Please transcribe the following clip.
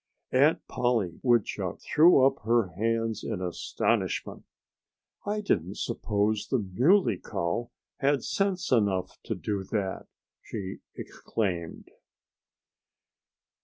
Aunt Polly Woodchuck threw up her hands in astonishment. "I didn't suppose the Muley Cow had sense enough to do that!" she exclaimed.